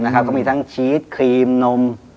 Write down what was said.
ก็มีทั้งชีสครีมนม